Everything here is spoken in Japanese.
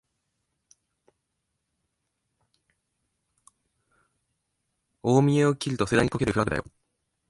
大見得を切ると盛大にこけるフラグだよ